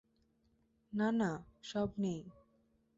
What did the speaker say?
না, না, সব নেই।